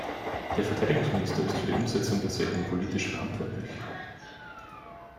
Der Verteidigungsminister ist für die Umsetzung derselben politisch verantwortlich.